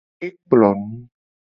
E kplo nu.